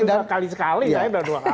dia paling dua kali sekali